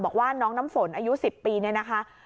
บอกว่าน้องน้ำฝนอายุ๑๐ปีเนี่ยนะคะ